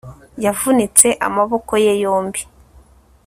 Yavunitse amaboko ye yombi